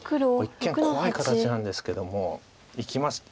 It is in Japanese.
一見怖い形なんですけどもいきました